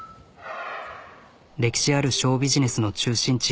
歴史あるショービジネスの中心地